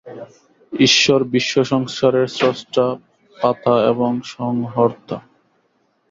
ঈশ্বর বিশ্বসংসারের স্রষ্টা, পাতা এবং সংহর্তা।